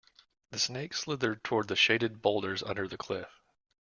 The snake slithered toward the shaded boulders under the cliff.